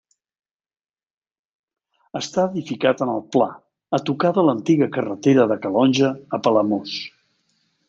Està edificat en el Pla, a tocar de l'antiga carretera de Calonge a Palamós.